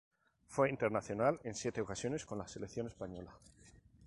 Fue internacional en siete ocasiones con la selección española.